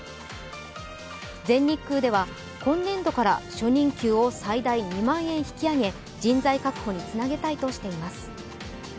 全日空では今年度から初任給を最大２万円引き上げ、人材確保につなげたいとしています。